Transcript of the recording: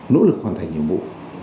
nỗ lực hoàn thành nhiệm vụ